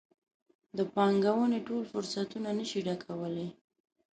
د پانګونې ټول فرصتونه نه شي ډکولی.